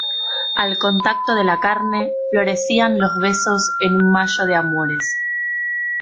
al contacto de la carne, florecían los besos en un mayo de amores.